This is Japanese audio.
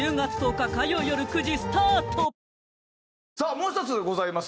もう１つございます。